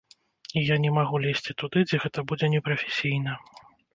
І я не магу лезці туды, дзе гэта будзе непрафесійна!